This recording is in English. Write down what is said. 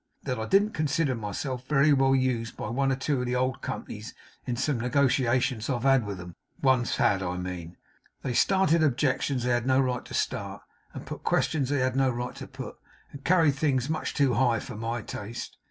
' That I didn't consider myself very well used by one or two of the old companies in some negotiations I have had with 'em once had, I mean. They started objections they had no right to start, and put questions they had no right to put, and carried things much too high for my taste.